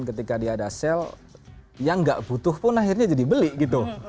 dan ketika di ada sale yang gak butuh pun akhirnya jadi beli gitu